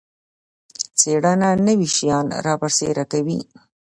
څیړنه نوي شیان رابرسیره کوي